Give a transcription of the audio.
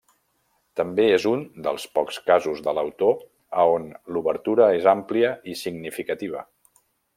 També és un dels pocs casos de l'autor a on l'obertura és àmplia i significativa.